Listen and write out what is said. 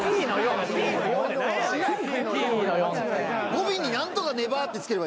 語尾に何とかねばって付ければ。